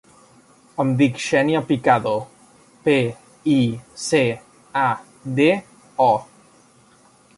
Em dic Xènia Picado: pe, i, ce, a, de, o.